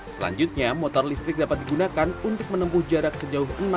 selanjutnya motor listrik dapat digunakan untuk menempuh jarak sejauh